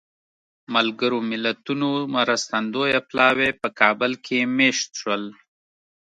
ملګرو ملتونو مرستندویه پلاوی په کابل کې مېشت شول.